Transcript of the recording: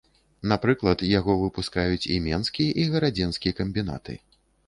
Напрыклад, яго выпускаюць і менскі, і гарадзенскі камбінаты.